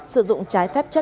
sử dụng trái phép chất năng